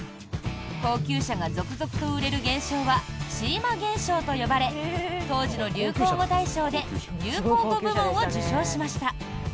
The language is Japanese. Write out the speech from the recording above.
高級車が続々と売れる現象はシーマ現象と呼ばれ当時の流行語大賞で流行語部門を受賞しました。